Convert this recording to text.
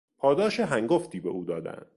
پاداش هنگفتی به او دادند.